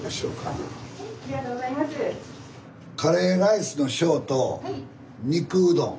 カレーライスの小と肉うどん。